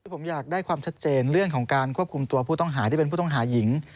ผมอยากได้ความชัดเจนเรื่องของการควบคุมตัวผู้ต้องหาที่เป็นผู้ต้องหาหญิง